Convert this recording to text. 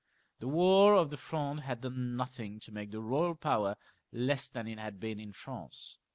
The war of the Fronde had done nothing to make the royal power less than it had been in France.